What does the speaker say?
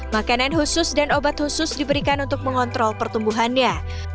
makanan khusus dan obat khusus diberikan untuk mengontrol pertumbuhannya